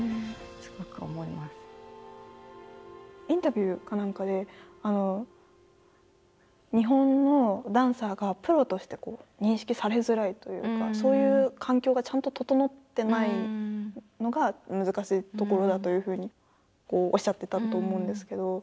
インタビューか何かで日本のダンサーがプロとして認識されづらいというかそういう環境がちゃんと整ってないのが難しいところだというふうにおっしゃってたと思うんですけど。